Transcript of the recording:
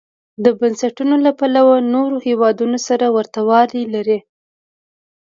د بنسټونو له پلوه نورو هېوادونو سره ورته والی لري.